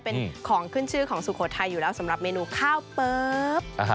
เป็นของขึ้นชื่อของสุโขทัยอยู่แล้วสำหรับเมนูข้าวเปิ๊บ